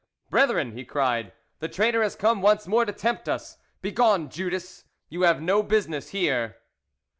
"Brethren," he cried, "the traitor has come once more to tempt us. Begone, Judas! You have no business here."